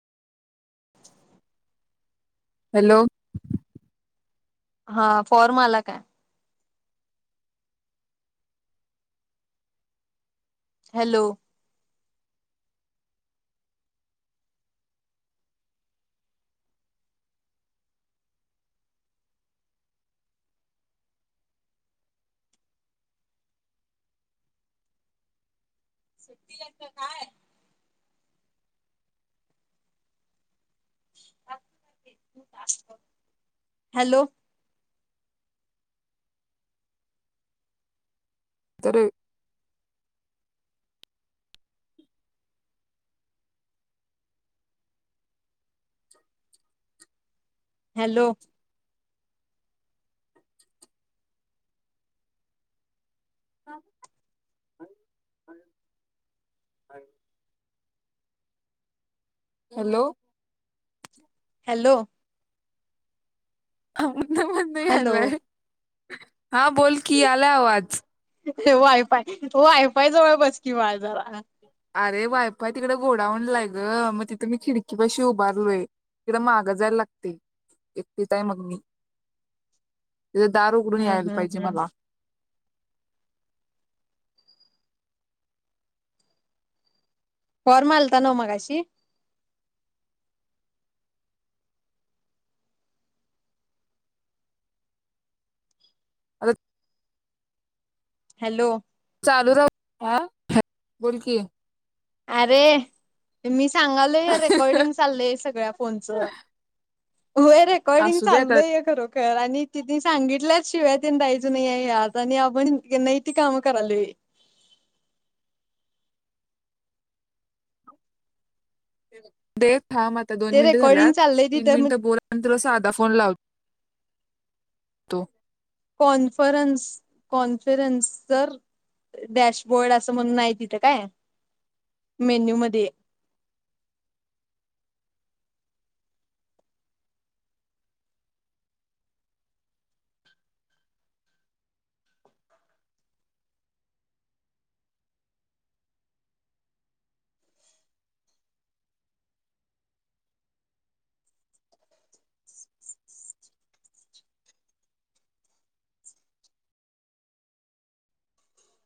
Hello हा form आला काय हॅलो, सु्टी हाय का काय हॅलो, तररी हॅलो, हम ह हॅलो, हॅलो, ह हॅलो म्हलाय [unintelligible] हा बोल की यायला आवाज वायफाय वायफाय जवळ बसकी बाळ जरा अरे वायफय तिकडं गोडाऊन लाय ग मग तिथे मी खिडकी पाशी उभारलोय तिकड मागं जायला लागत एकटीचय मग मी तिथ दार उघडून हम्म यायला हम्म पाहिजे हम् मला फॉर्म आलता ना मगाशी आ हॅलो, चालू राह--बोलकी अरे मस सांगालय रेकॉर्डिंग चालय सगळ्या फोनचं होय, रेकॉर्डिंग असू दे चाललय आता आहे खरं कर आणि ति सांगितल्याच शिवाय त्यां दयच नाही यात आणि आपण नाहीती काम करालय देख थांब आता दोन ते मिनिटं रेकॉर्डिंग झाल्यात चाललंय तीन तिथे मग मिनिटं बोल आणि तुला साधा फोन लावतो. तो कॉन्फरन्स कॉन्फरन्स जर डॅशबोर्ड असं म्हणून नाही तिथं काय मेन्यू मध्ये